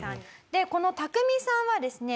でこのタクミさんはですね